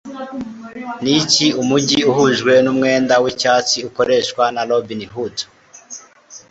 Niki Umujyi Uhujwe Numwenda Wicyatsi Ukoreshwa na Robin Hood